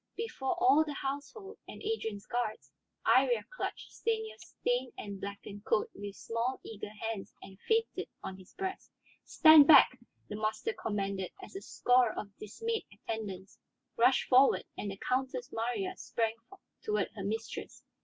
Before all the household, and Adrian's guards, Iría clutched Stanief's stained and blackened coat with small, eager hands and fainted on his breast. "Stand back!" the master commanded as a score of dismayed attendants rushed forward and the Countess Marya sprang toward her mistress.